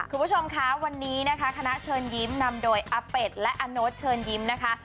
คุณผู้ชมคะวันนี้นะคะคณะเชิญยิ้มนำโดยอาเป็ดและอโน๊ตเชิญยิ้มนะคะ